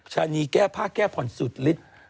ชานีแก้ผ้าแก้ผ่อนสุดฤทธิ์